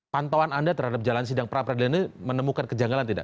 pantauan anda terhadap jalan sidang pra peradilan ini menemukan kejanggalan tidak